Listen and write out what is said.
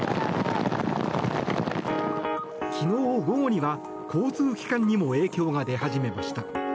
昨日午後には、交通機関にも影響が出始めました。